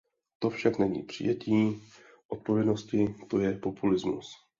To však není přijetí odpovědnosti, to je populismus.